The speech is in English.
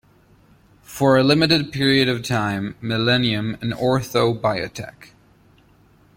For a limited period of time, Millennium and Ortho Biotech.